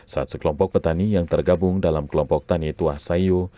saat sekelompok petani yang tergabung dalam kelompok tani tuah sayu